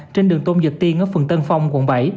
trên đường tôn dược tiên ở phần tân phong quận bảy